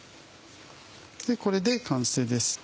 これで完成です。